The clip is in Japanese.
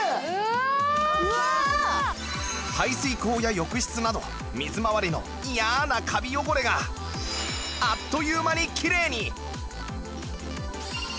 排水口や浴室など水回りの嫌なカビ汚れがあっという間にきれいに！